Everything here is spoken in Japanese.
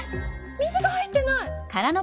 水が入ってない！